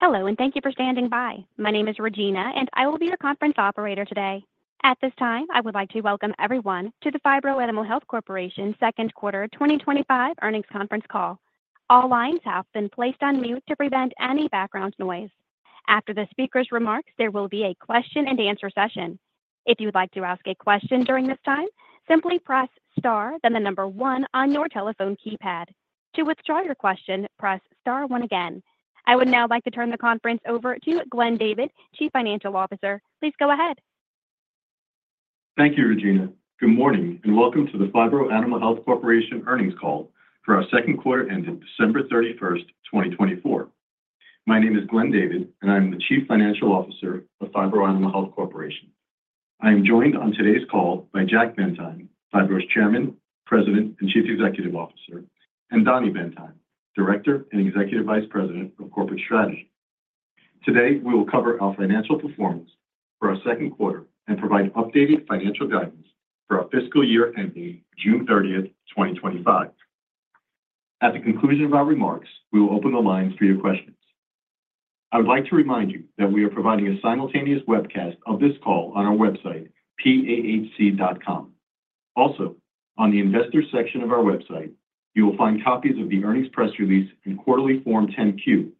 Hello, and thank you for standing by. My name is Regina, and I will be your conference operator today. At this time, I would like to welcome everyone to the Phibro Animal Health Corporation Second Quarter 2025 Earnings Conference Call. All lines have been placed on mute to prevent any background noise. After the speaker's remarks, there will be a question-and-answer session. If you would like to ask a question during this time, simply press star, then the number one on your telephone keypad. To withdraw your question, press star one again. I would now like to turn the conference over to Glenn David, Chief Financial Officer. Please go ahead. Thank you, Regina. Good morning and welcome to the Phibro Animal Health Corporation earnings call for our second quarter ending December 31st, 2024. My name is Glenn David, and I'm the Chief Financial Officer of Phibro Animal Health Corporation. I am joined on today's call by Jack Bendheim, Phibro's Chairman, President, and Chief Executive Officer, and Dani Bendheim, Director and Executive Vice President of Corporate Strategy. Today, we will cover our financial performance for our second quarter and provide updated financial guidance for our fiscal year ending June 30th, 2025. At the conclusion of our remarks, we will open the lines for your questions. I would like to remind you that we are providing a simultaneous webcast of this call on our website, PAHC.com. Also, on the investor section of our website, you will find copies of the earnings press release and quarterly Form 10-Q,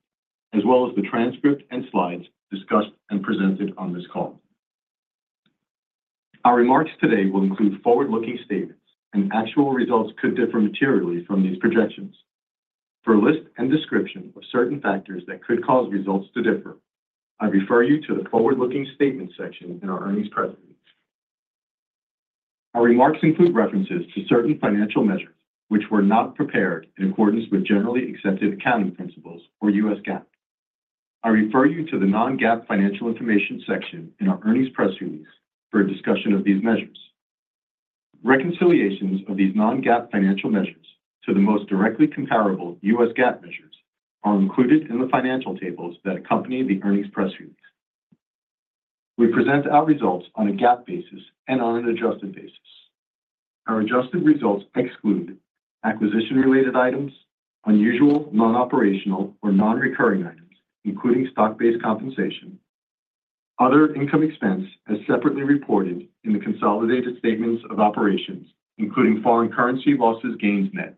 as well as the transcript and slides discussed and presented on this call. Our remarks today will include forward-looking statements, and actual results could differ materially from these projections. For a list and description of certain factors that could cause results to differ, I refer you to the forward-looking statements section in our earnings press release. Our remarks include references to certain financial measures which were not prepared in accordance with Generally Accepted Accounting Principles, or U.S. GAAP. I refer you to the non-GAAP financial information section in our earnings press release for a discussion of these measures. Reconciliations of these non-GAAP financial measures to the most directly comparable U.S. GAAP measures are included in the financial tables that accompany the earnings press release. We present our results on a GAAP basis and on an adjusted basis. Our adjusted results exclude acquisition-related items, unusual, non-operational, or non-recurring items, including stock-based compensation, other income/expense as separately reported in the consolidated statements of operations, including foreign currency losses/gains, net,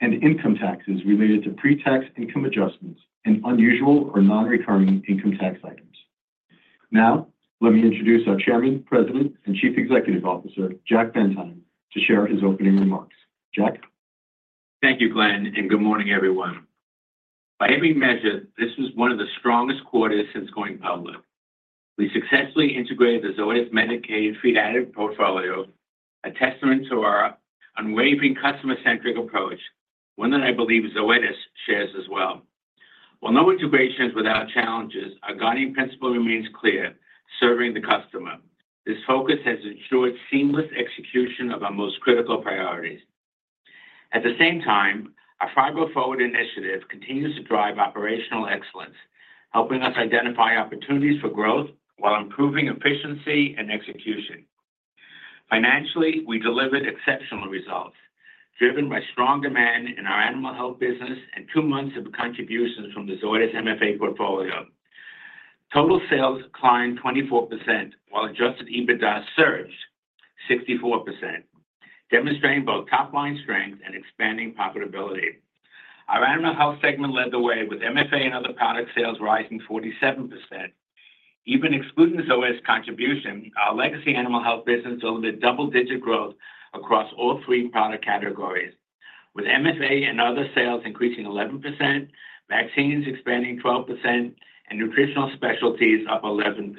and income taxes related to pre-tax income adjustments and unusual or non-recurring income tax items. Now, let me introduce our Chairman, President, and Chief Executive Officer, Jack Bendheim, to share his opening remarks. Jack. Thank you, Glenn, and good morning, everyone. By every measure, this was one of the strongest quarters since going public. We successfully integrated the Zoetis medicated feed additive portfolio, a testament to our unwavering customer-centric approach, one that I believe Zoetis shares as well. While no integration is without challenges, our guiding principle remains clear: serving the customer. This focus has ensured seamless execution of our most critical priorities. At the same time, our Phibro Forward initiative continues to drive operational excellence, helping us identify opportunities for growth while improving efficiency and execution. Financially, we delivered exceptional results, driven by strong demand in our Animal Health business and two months of contributions from the Zoetis MFA portfolio. Total sales climbed 24%, while adjusted EBITDA surged 64%, demonstrating both top-line strength and expanding profitability. Our Animal Health segment led the way, with MFA and other product sales rising 47%. Even excluding Zoetis' contribution, our legacy Animal Health business delivered double-digit growth across all three product categories, with MFA and other sales increasing 11%, Vaccines expanding 12%, and Nutritional Specialties up 11%.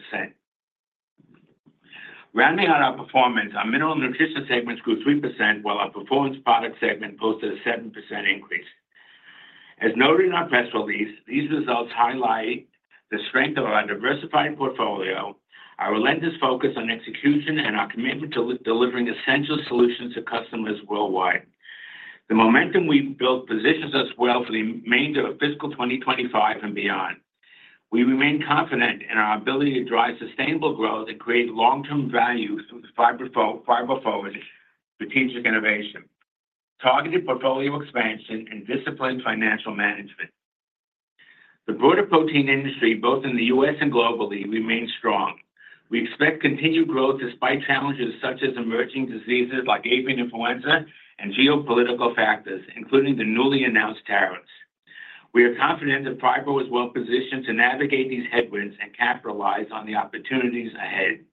Rounding out our performance, our Mineral Nutrition segment grew 3%, while our Performance Products segment posted a 7% increase. As noted in our press release, these results highlight the strength of our diversified portfolio, our relentless focus on execution, and our commitment to delivering essential solutions to customers worldwide. The momentum we've built positions us well for the remainder of fiscal 2025 and beyond. We remain confident in our ability to drive sustainable growth and create long-term value through Phibro Forward strategic innovation, targeted portfolio expansion, and disciplined financial management. The broader protein industry, both in the U.S. and globally, remains strong. We expect continued growth despite challenges such as emerging diseases like avian influenza and geopolitical factors, including the newly announced tariffs. We are confident that Phibro is well positioned to navigate these headwinds and capitalize on the opportunities ahead.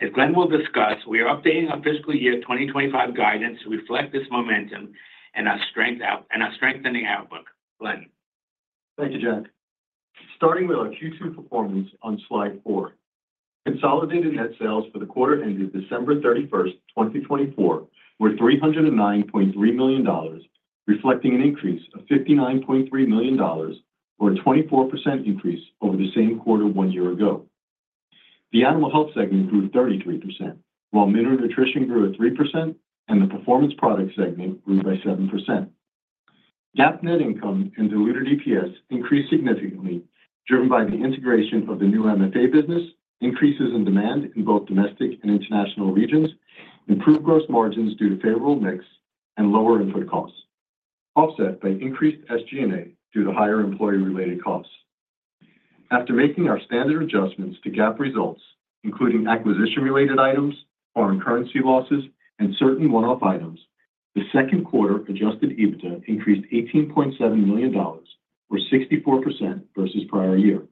As Glenn will discuss, we are updating our fiscal year 2025 guidance to reflect this momentum and our strengthening outlook. Glenn. Thank you, Jack. Starting with our Q2 performance on slide 4, consolidated net sales for the quarter ended December 31st, 2024, were $309.3 million, reflecting an increase of $59.3 million, or a 24% increase over the same quarter one year ago. The Animal Health segment grew 33%, while Mineral Nutrition grew at 3%, and the Performance Products segment grew by 7%. GAAP net income and diluted EPS increased significantly, driven by the integration of the new MFA business, increases in demand in both domestic and international regions, improved gross margins due to favorable mix, and lower input costs, offset by increased SG&A due to higher employee-related costs. After making our standard adjustments to GAAP results, including acquisition-related items, foreign currency losses, and certain one-off items, the second quarter Adjusted EBITDA increased $18.7 million, or 64% versus prior year.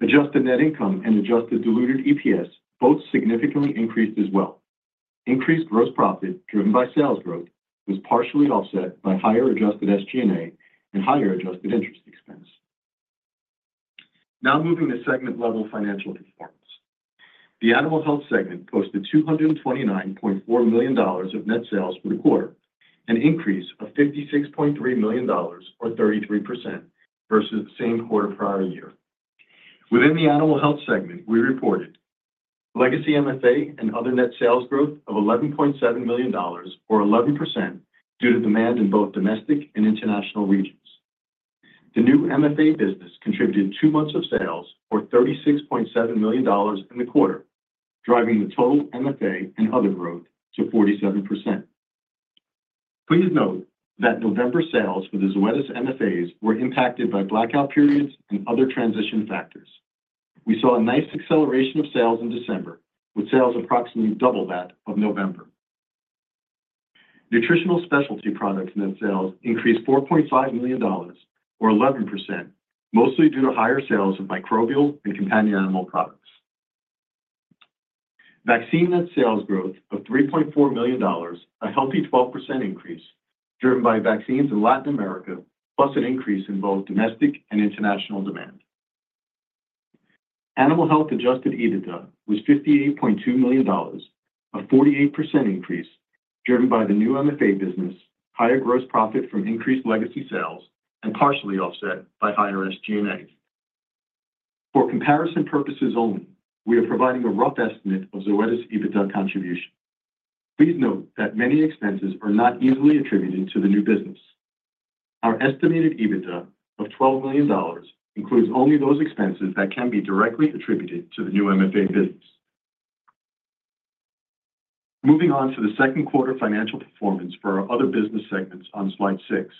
Adjusted net income and adjusted diluted EPS both significantly increased as well. Increased gross profit, driven by sales growth, was partially offset by higher adjusted SG&A and higher adjusted interest expense. Now moving to segment-level financial performance. The Animal Health segment posted $229.4 million of net sales for the quarter, an increase of $56.3 million, or 33%, versus the same quarter prior year. Within the Animal Health segment, we reported legacy MFA and other net sales growth of $11.7 million, or 11%, due to demand in both domestic and international regions. The new MFA business contributed two months of sales, or $36.7 million in the quarter, driving the total MFA and other growth to 47%. Please note that November sales for the Zoetis MFAs were impacted by blackout periods and other transition factors. We saw a nice acceleration of sales in December, with sales approximately double that of November. Nutritional Specialties products net sales increased $4.5 million, or 11%, mostly due to higher sales of microbial and companion animal products. Vaccines net sales growth of $3.4 million, a healthy 12% increase, driven by Vaccines in Latin America, plus an increase in both domestic and international demand. Animal Health Adjusted EBITDA was $58.2 million, a 48% increase, driven by the new MFA business, higher gross profit from increased legacy sales, and partially offset by higher SG&A. For comparison purposes only, we are providing a rough estimate of Zoetis' EBITDA contribution. Please note that many expenses are not easily attributed to the new business. Our estimated EBITDA of $12 million includes only those expenses that can be directly attributed to the new MFA business. Moving on to the second quarter financial performance for our other business segments on slide 6.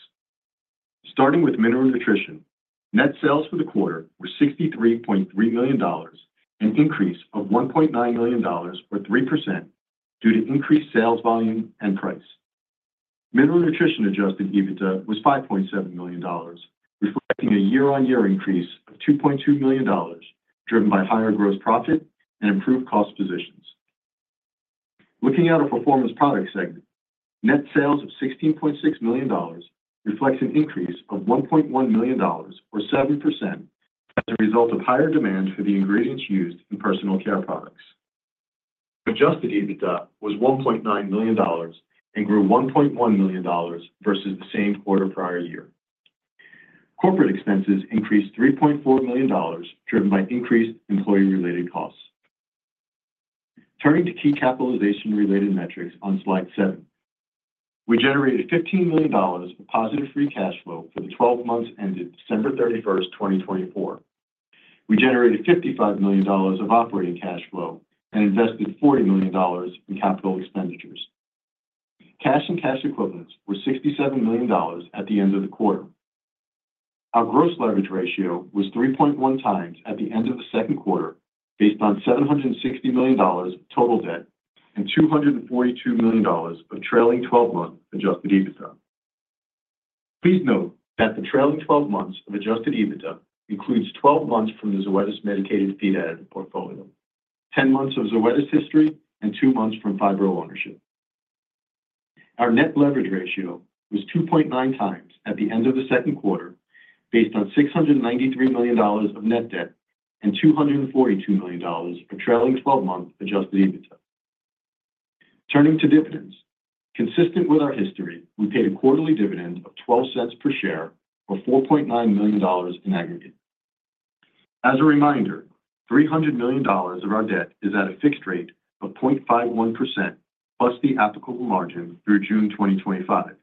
Starting with Mineral Nutrition, net sales for the quarter were $63.3 million, an increase of $1.9 million, or 3%, due to increased sales volume and price. Mineral Nutrition Adjusted EBITDA was $5.7 million, reflecting a year-on-year increase of $2.2 million, driven by higher gross profit and improved cost positions. Looking at our Performance Products segment, net sales of $16.6 million reflects an increase of $1.1 million, or 7%, as a result of higher demand for the ingredients used in personal care products. Adjusted EBITDA was $1.9 million and grew $1.1 million versus the same quarter prior year. Corporate expenses increased $3.4 million, driven by increased employee-related costs. Turning to key capitalization-related metrics on slide 7, we generated $15 million of positive free cash flow for the 12 months ended December 31st, 2024. We generated $55 million of operating cash flow and invested $40 million in capital expenditures. Cash and cash equivalents were $67 million at the end of the quarter. Our gross leverage ratio was 3.1 times at the end of the second quarter, based on $760 million total debt and $242 million of trailing 12-month Adjusted EBITDA. Please note that the trailing 12 months of Adjusted EBITDA includes 12 months from the Zoetis medicated feed additive portfolio, 10 months of Zoetis history, and two months from Phibro ownership. Our net leverage ratio was 2.9 times at the end of the second quarter, based on $693 million of net debt and $242 million of trailing 12-month Adjusted EBITDA. Turning to dividends, consistent with our history, we paid a quarterly dividend of $0.12 per share, or $4.9 million in aggregate. As a reminder, $300 million of our debt is at a fixed rate of 0.51%, plus the applicable margin through June 2025.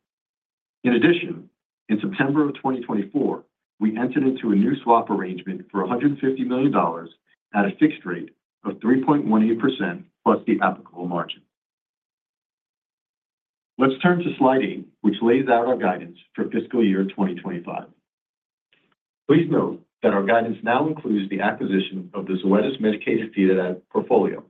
In addition, in September of 2024, we entered into a new swap arrangement for $150 million at a fixed rate of 3.18%, plus the applicable margin. Let's turn to slide 8, which lays out our guidance for fiscal year 2025. Please note that our guidance now includes the acquisition of the Zoetis medicated feed additive portfolio.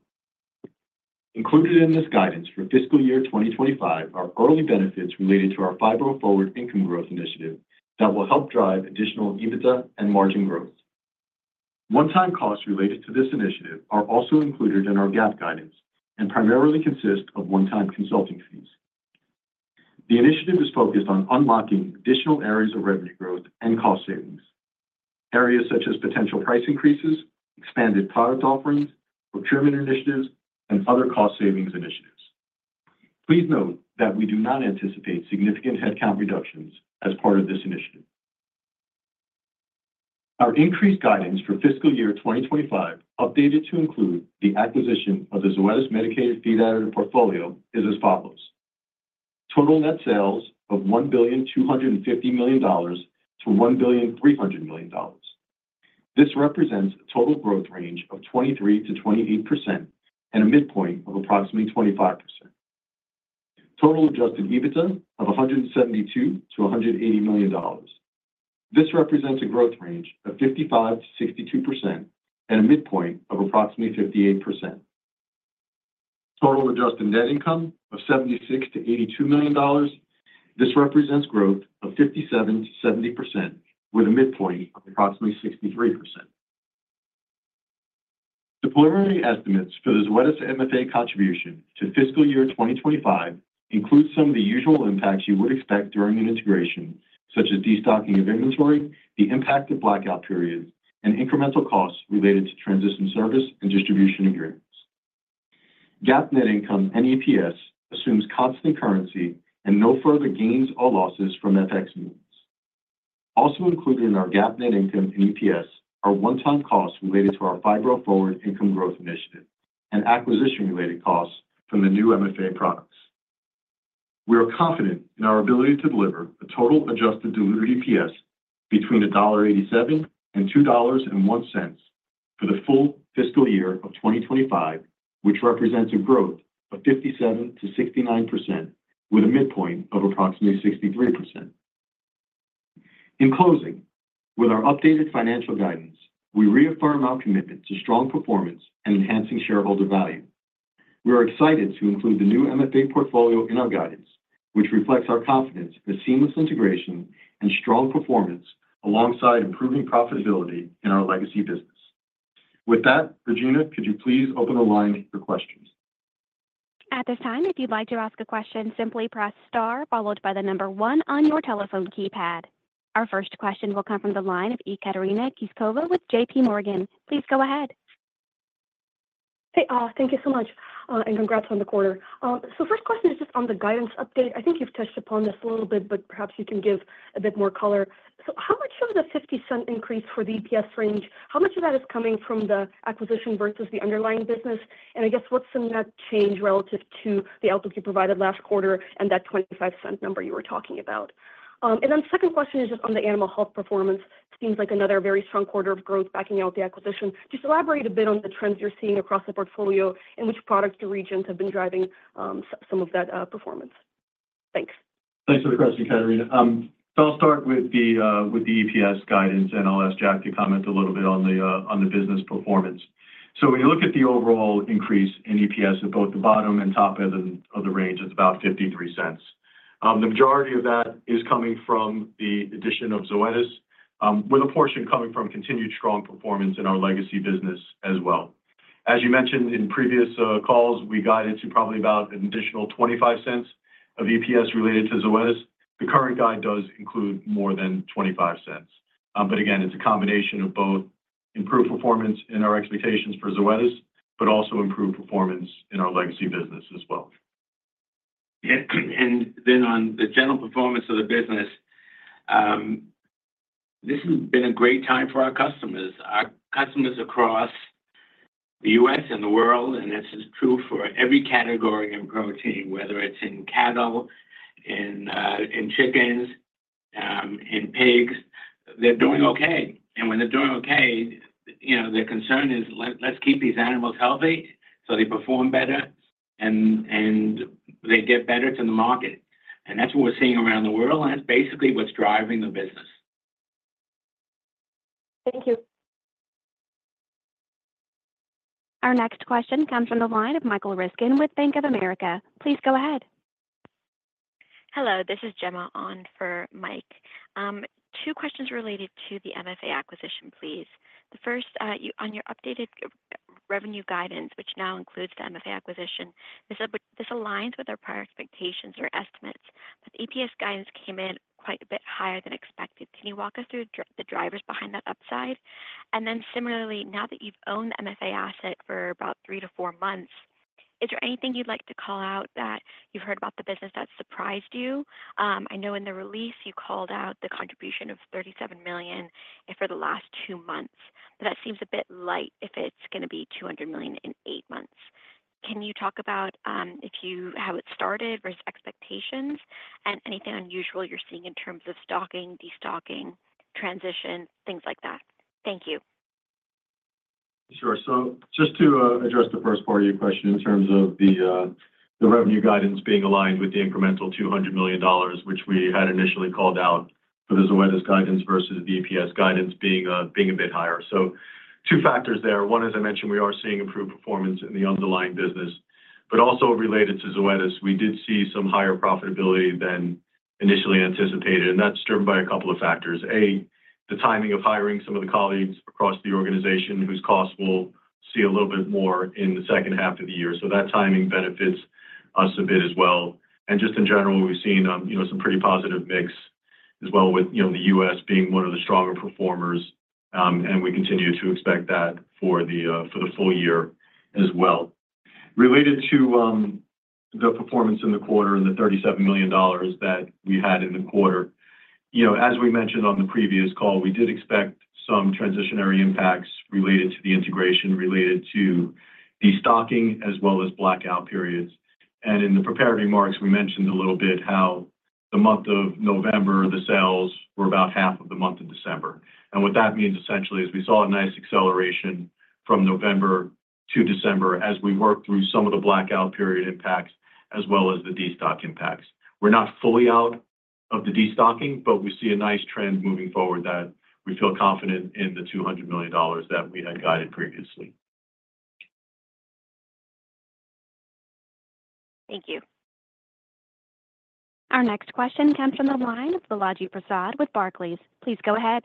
Included in this guidance for fiscal year 2025 are early benefits related to our Phibro Forward income growth initiative that will help drive additional EBITDA and margin growth. One-time costs related to this initiative are also included in our GAAP guidance and primarily consist of one-time consulting fees. The initiative is focused on unlocking additional areas of revenue growth and cost savings, areas such as potential price increases, expanded product offerings, procurement initiatives, and other cost savings initiatives. Please note that we do not anticipate significant headcount reductions as part of this initiative. Our increased guidance for fiscal year 2025, updated to include the acquisition of the Zoetis medicated feed additive portfolio, is as follows: total net sales of $1,250 billion to $1,300 billion. This represents a total growth range of 23%-28% and a midpoint of approximately 25%. Total adjusted EBITDA of $172 million to $180 million. This represents a growth range of 55%-62% and a midpoint of approximately 58%. Total adjusted net income of $76 million to $82 million. This represents growth of 57%-70%, with a midpoint of approximately 63%. Our estimates for the Zoetis MFA contribution to fiscal year 2025 include some of the usual impacts you would expect during an integration, such as destocking of inventory, the impact of blackout periods, and incremental costs related to transition service and distribution agreements. GAAP net income and EPS assumes constant currency and no further gains or losses from FX movements. Also included in our GAAP net income and EPS are one-time costs related to our Phibro Forward income growth initiative and acquisition-related costs from the new MFA products. We are confident in our ability to deliver a total adjusted diluted EPS between $1.87 and $2.01 for the full fiscal year of 2025, which represents a growth of 57% to 69%, with a midpoint of approximately 63%. In closing, with our updated financial guidance, we reaffirm our commitment to strong performance and enhancing shareholder value. We are excited to include the new MFA portfolio in our guidance, which reflects our confidence in a seamless integration and strong performance alongside improving profitability in our legacy business. With that, Regina, could you please open the line for questions? At this time, if you'd like to ask a question, simply press star, followed by the number one on your telephone keypad. Our first question will come from the line of Ekaterina Knyazkova with JPMorgan. Please go ahead. Hey, thank you so much, and congrats on the quarter. So first question is just on the guidance update. I think you've touched upon this a little bit, but perhaps you can give a bit more color. So how much of the $0.50 increase for the EPS range, how much of that is coming from the acquisition versus the underlying business? And I guess what's in that change relative to the outlook you provided last quarter and that $0.25 number you were talking about? And then second question is just on the Animal Health performance. Seems like another very strong quarter of growth backing out the acquisition. Just elaborate a bit on the trends you're seeing across the portfolio and which products or regions have been driving some of that performance. Thanks. Thanks for the question, Ekaterina. So I'll start with the EPS guidance, and I'll ask Jack to comment a little bit on the business performance. So when you look at the overall increase in EPS at both the bottom and top end of the range, it's about $0.53. The majority of that is coming from the addition of Zoetis, with a portion coming from continued strong performance in our legacy business as well. As you mentioned in previous calls, we guided to probably about an additional $0.25 of EPS related to Zoetis. The current guide does include more than $0.25. But again, it's a combination of both improved performance in our expectations for Zoetis, but also improved performance in our legacy business as well. Then on the general performance of the business, this has been a great time for our customers. Our customers across the U.S. and the world, and this is true for every category and protein, whether it's in cattle, in chickens, in pigs, they're doing okay. When they're doing okay, you know their concern is, let's keep these animals healthy so they perform better and they get better to the market. That's what we're seeing around the world, and that's basically what's driving the business. Thank you. Our next question comes from the line of Michael Ryskin with Bank of America. Please go ahead. Hello, this is Gemma on for Mike. Two questions related to the MFA acquisition, please. The first, on your updated revenue guidance, which now includes the MFA acquisition. This aligns with our prior expectations or estimates, but EPS guidance came in quite a bit higher than expected. Can you walk us through the drivers behind that upside? And then similarly, now that you've owned the MFA asset for about three to four months, is there anything you'd like to call out that you've heard about the business that surprised you? I know in the release you called out the contribution of $37 million for the last two months, but that seems a bit light if it's going to be $200 million in eight months. Can you talk about how it started versus expectations and anything unusual you're seeing in terms of stocking, destocking, transition, things like that? Thank you. Sure. So just to address the first part of your question in terms of the revenue guidance being aligned with the incremental $200 million, which we had initially called out for the Zoetis guidance versus the EPS guidance being a bit higher. So two factors there. One, as I mentioned, we are seeing improved performance in the underlying business, but also related to Zoetis, we did see some higher profitability than initially anticipated. And that's driven by a couple of factors. A, the timing of hiring some of the colleagues across the organization whose costs we'll see a little bit more in the second half of the year. So that timing benefits us a bit as well. And just in general, we've seen some pretty positive mix as well with the U.S. being one of the stronger performers, and we continue to expect that for the full year as well. Related to the performance in the quarter and the $37 million that we had in the quarter, as we mentioned on the previous call, we did expect some transitory impacts related to the integration, related to destocking as well as blackout periods. And in the preparatory remarks, we mentioned a little bit how the month of November, the sales were about half of the month of December. And what that means essentially is we saw a nice acceleration from November to December as we worked through some of the blackout period impacts as well as the destocking impacts. We're not fully out of the destocking, but we see a nice trend moving forward that we feel confident in the $200 million that we had guided previously. Thank you. Our next question comes from the line of Balaji Prasad with Barclays. Please go ahead.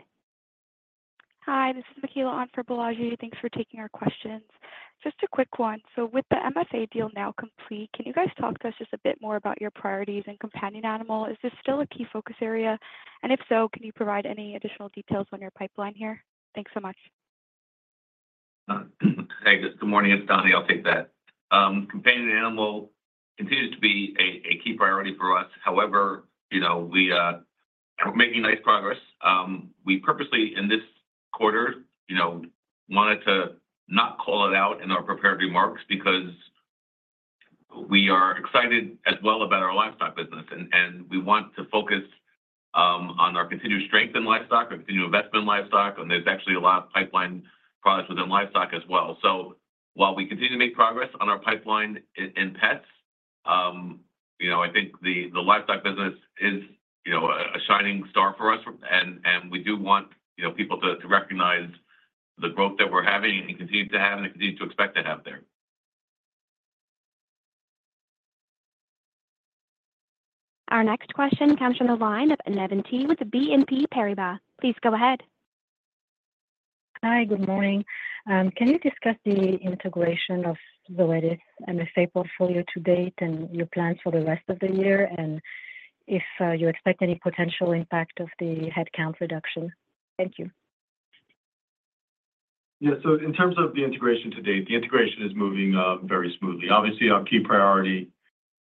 Hi, this is Mikaela on for Balaji. Thanks for taking our questions. Just a quick one. So with the MFA deal now complete, can you guys talk to us just a bit more about your priorities and companion animal? Is this still a key focus area? And if so, can you provide any additional details on your pipeline here? Thanks so much. Hey, good morning. It's Dani. I'll take that. Companion animal continues to be a key priority for us. However, we are making nice progress. We purposely in this quarter wanted to not call it out in our preparatory remarks because we are excited as well about our livestock business, and we want to focus on our continued strength in livestock, our continued investment in livestock, and there's actually a lot of pipeline products within livestock as well. So while we continue to make progress on our pipeline in pets, I think the livestock business is a shining star for us, and we do want people to recognize the growth that we're having and continue to have and continue to expect to have there. Our next question comes from the line of Navann Ty with BNP Paribas. Please go ahead. Hi, good morning. Can you discuss the integration of Zoetis MFA Portfolio to date and your plans for the rest of the year and if you expect any potential impact of the headcount reduction? Thank you. Yeah, so in terms of the integration to date, the integration is moving very smoothly. Obviously, our key priority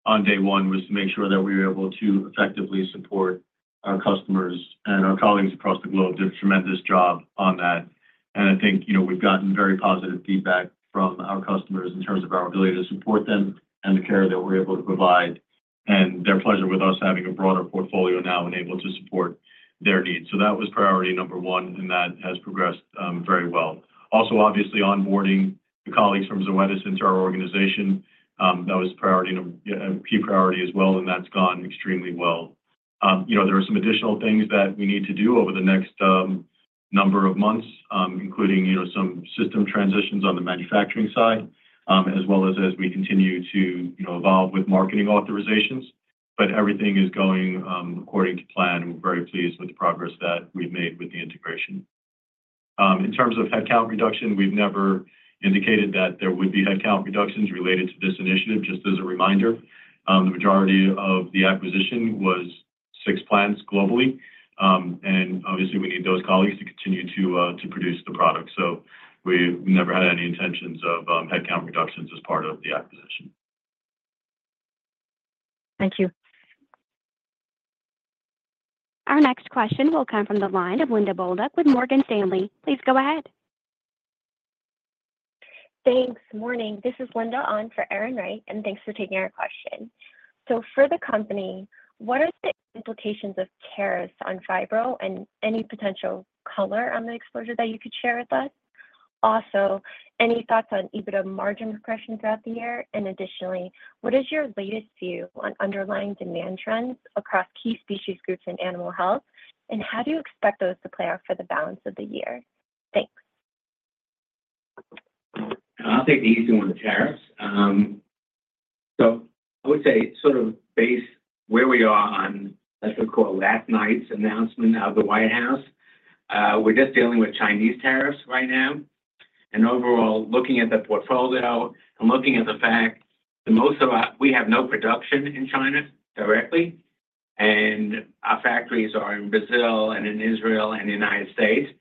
on day one was to make sure that we were able to effectively support our customers and our colleagues across the globe. They did a tremendous job on that, and I think we've gotten very positive feedback from our customers in terms of our ability to support them and the care that we're able to provide and their pleasure with us having a broader portfolio now enabled to support their needs. So that was priority number one, and that has progressed very well. Also, obviously, onboarding the colleagues from Zoetis into our organization, that was a key priority as well, and that's gone extremely well. There are some additional things that we need to do over the next number of months, including some system transitions on the manufacturing side, as well as we continue to evolve with marketing authorizations. But everything is going according to plan, and we're very pleased with the progress that we've made with the integration. In terms of headcount reduction, we've never indicated that there would be headcount reductions related to this initiative. Just as a reminder, the majority of the acquisition was six plants globally, and obviously, we need those colleagues to continue to produce the product. So we never had any intentions of headcount reductions as part of the acquisition. Thank you. Our next question will come from the line of Linda Bolduc with Morgan Stanley. Please go ahead. Thanks. Morning. This is Linda on for Erin Wright, and thanks for taking our question. So for the company, what are the implications of tariffs on Phibro and any potential color on the exposure that you could share with us? Also, any thoughts on EBITDA margin progression throughout the year? And additionally, what is your latest view on underlying demand trends across key species groups in Animal Health, and how do you expect those to play out for the balance of the year? Thanks. I'll take the easy one, the tariffs. So I would say sort of based where we are on, let's just call it last night's announcement out of the White House, we're just dealing with Chinese tariffs right now. And overall, looking at the portfolio and looking at the fact that most of our, we have no production in China directly, and our factories are in Brazil and in Israel and the United States.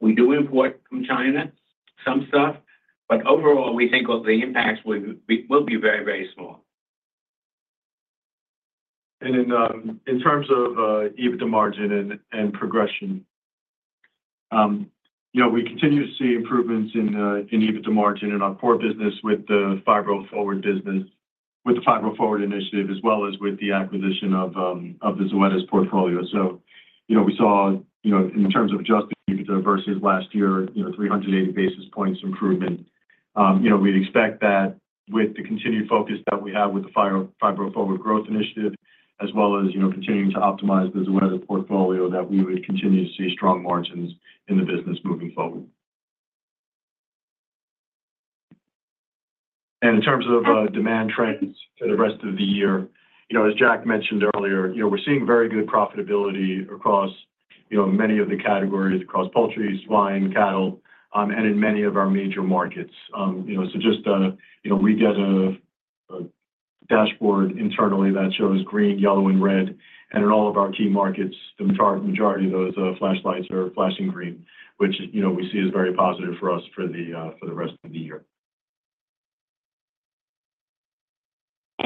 We do import from China, some stuff, but overall, we think the impacts will be very, very small. In terms of EBITDA margin and progression, we continue to see improvements in EBITDA margin in our core business with the Phibro Forward business, with the Phibro Forward initiative, as well as with the acquisition of the Zoetis portfolio. We saw, in terms of adjusted EBITDA versus last year, 380 basis points improvement. We'd expect that with the continued focus that we have with the Phibro Forward growth initiative, as well as continuing to optimize the Zoetis portfolio, that we would continue to see strong margins in the business moving forward. In terms of demand trends for the rest of the year, as Jack mentioned earlier, we're seeing very good profitability across many of the categories: across poultry, swine, cattle, and in many of our major markets. So, just we get a dashboard internally that shows green, yellow, and red, and in all of our key markets, the majority of those lights are flashing green, which we see as very positive for us for the rest of the year.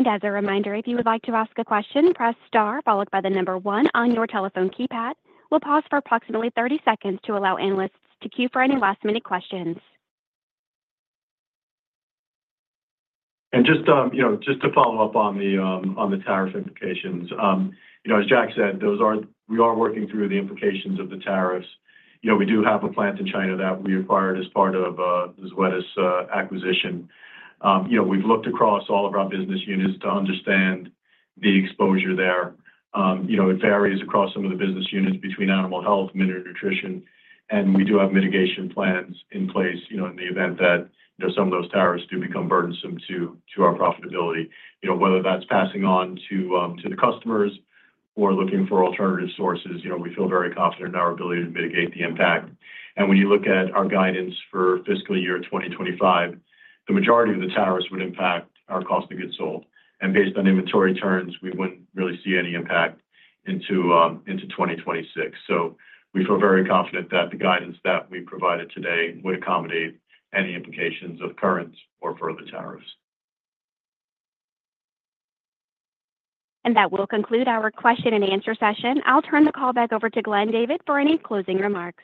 As a reminder, if you would like to ask a question, press star followed by the number one on your telephone keypad. We'll pause for approximately 30 seconds to allow analysts to queue for any last-minute questions. Just to follow up on the tariff implications, as Jack said, we are working through the implications of the tariffs. We do have a plant in China that we acquired as part of the Zoetis acquisition. We've looked across all of our business units to understand the exposure there. It varies across some of the business units between Animal Health and Mineral Nutrition, and we do have mitigation plans in place in the event that some of those tariffs do become burdensome to our profitability, whether that's passing on to the customers or looking for alternative sources. We feel very confident in our ability to mitigate the impact. And when you look at our guidance for fiscal year 2025, the majority of the tariffs would impact our cost of goods sold. And based on inventory turns, we wouldn't really see any impact into 2026. So we feel very confident that the guidance that we provided today would accommodate any implications of current or further tariffs. That will conclude our question and answer session. I'll turn the call back over to Glenn David for any closing remarks.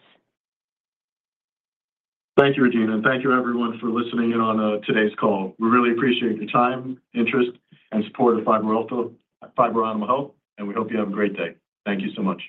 Thank you, Regina. And thank you, everyone, for listening in on today's call. We really appreciate your time, interest, and support of Phibro Animal Health, and we hope you have a great day. Thank you so much.